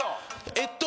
えっと